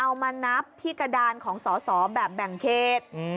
เอามานับที่กระดานของสอสอแบบแบ่งเขต